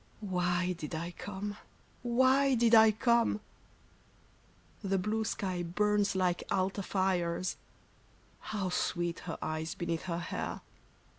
— Why did I come ? Why did I come ? The blue sky burns like altar fires — How sweet her eyes beneath her hair